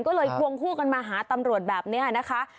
ก็เลยควงคู่กันมาหาตำรวจแบบนี้นะคะ